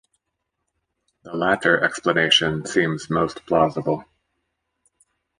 The latter explanation seems most plausible.